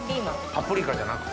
パプリカじゃなくて？